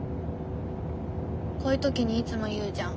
こういう時にいつも言うじゃん？